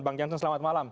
bang janssen selamat malam